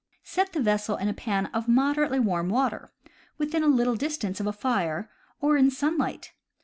Set the vessel in a pan of moderately warm water, within a little distance of a fire, or in sunlight.